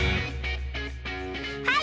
はい！